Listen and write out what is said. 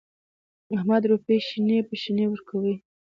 احمد روپۍ شنې په شنې ورکوي.